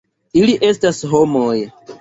Ili estas homoj.